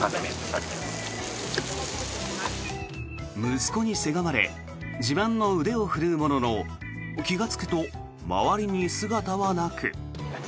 息子にせがまれ自慢の腕を振るうものの気がつくと周りに姿はなく。